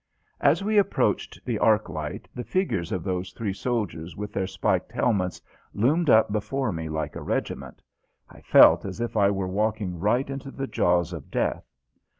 As we approached the arc light the figures of those three soldiers with their spiked helmets loomed up before me like a regiment. I felt as if I were walking right into the jaws of death.